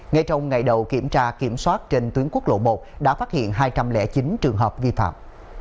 ngay trong ngày đầu kiểm tra kiểm soát trên tuyến quốc lộ một đã phát hiện hai trăm linh chín trường hợp vi phạm